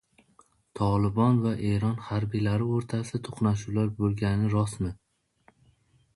"Tolibon" va Eron harbiylari o‘rtasida to‘qnashuvlar bo‘lgani rostmi?